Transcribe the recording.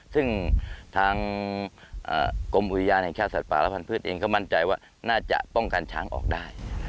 ซึ่งทางกรมอุทยานแห่งชาติสัตว์ป่าและพันธุ์เองก็มั่นใจว่าน่าจะป้องกันช้างออกได้